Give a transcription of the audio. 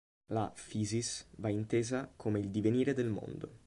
La "physis" va intesa come il divenire del mondo.